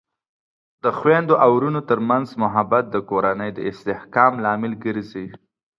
د خویندو او ورونو ترمنځ محبت د کورنۍ د استحکام لامل ګرځي.